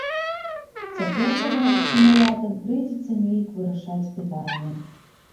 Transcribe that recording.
Цяпер жа гарадскім уладам прыйдзецца неяк вырашаць пытанне.